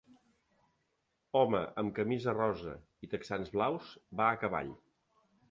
Home amb camisa rosa i texans blaus va a cavall.